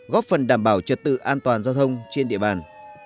góp phần đảm bảo trật tự an toàn giao thông trên địa bàn